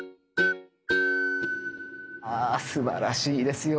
ああすばらしいですよ